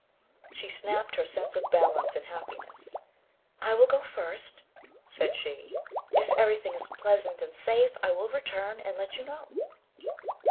She snapped her sense of balance in happiness. "I will go first," said she. "If everything is pleasant and safe, I will return and let you know."